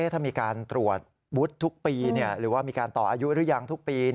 ถ้ามีการตรวจวุฒิทุกปีหรือว่ามีการต่ออายุหรือยังทุกปี